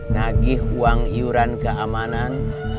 nagih uang iuran keamanan